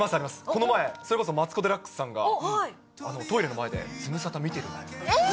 この前、それこそマツコ・デラックスさんがトイレの前で、ズムサタ、見てるわよ。